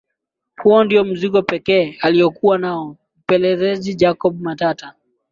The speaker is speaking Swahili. Huo ndio mzigo pekee aliokua nao mpelelezi Jacob Matata